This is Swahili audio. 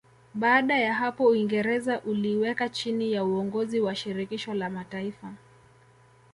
Baada ya hapo Uingereza uliiweka chini ya uongozi wa Shirikisho la Mataifa